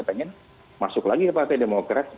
pengen masuk lagi ke partai demokrat